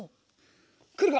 くるか！？